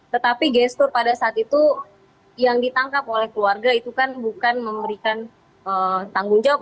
tetapi gestur pada saat itu yang ditangkap oleh keluarga itu kan bukan memberikan tanggung jawab